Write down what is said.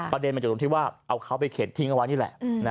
ประเด็นมันอยู่ตรงที่ว่าเอาเขาไปเข็นทิ้งเอาไว้นี่แหละ